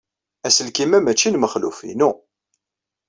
Aselkim-a maci n Mexluf. Inu.